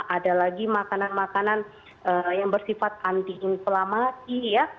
ada lagi makanan makanan yang bersifat anti inflamasi ya